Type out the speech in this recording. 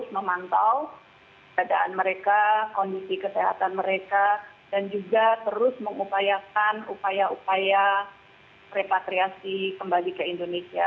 memantau keadaan mereka kondisi kesehatan mereka dan juga terus mengupayakan upaya upaya repatriasi kembali ke indonesia